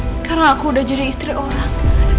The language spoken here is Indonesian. sekarang aku udah jadi istri orang